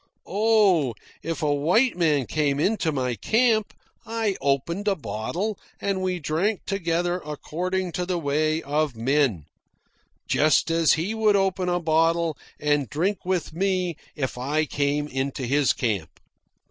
Oh, if a white man came into my camp, I opened a bottle and we drank together according to the way of men, just as he would open a bottle and drink with me if I came into his camp.